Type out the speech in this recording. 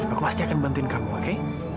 aku pasti akan bantuin kamu oke